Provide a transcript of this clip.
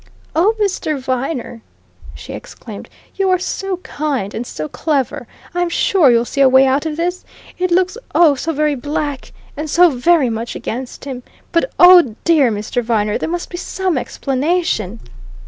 "Oh, Mr. Viner," she exclaimed, "you are so kind, and so clever. I'm sure you'll see a way out of this! It looks, oh, so very black, and so very much against him; but oh, dear Mr. Viner, there must be some explanation!"